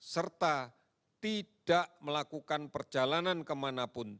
serta tidak melakukan perjalanan kemanapun